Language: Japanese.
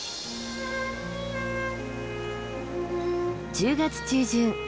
１０月中旬。